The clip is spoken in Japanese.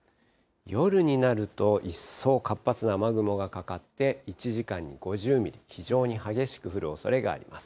夜になると、一層活発な雨雲がかかって、１時間に５０ミリ、非常に激しく降るおそれがあります。